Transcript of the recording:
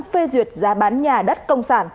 phê duyệt giá bán nhà đất công sản